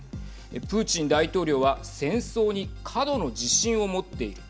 プーチン大統領は戦争に過度の自信を持っている。